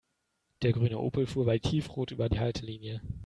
Der grüne Opel fuhr bei Tiefrot über die Haltelinie.